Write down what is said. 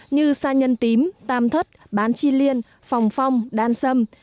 như sa nhân tím tam thất bán chi liên phòng phong đan sâm